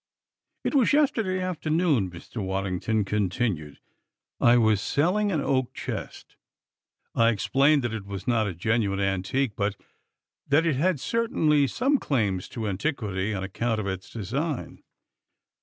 "It was yesterday afternoon," Mr. Waddington continued. "I was selling an oak chest. I explained that it was not a genuine antique but that it had certainly some claims to antiquity on account of its design.